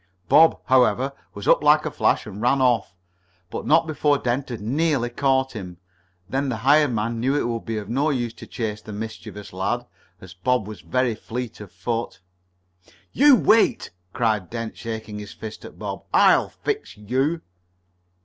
Bob, however, was up like a flash and ran off, but not before Dent had nearly caught him. Then the hired man knew it would be of no use to chase the mischievous lad, as Bob was very fleet of foot. "You wait!" cried Dent, shaking his fist at Bob. "I'll fix you!"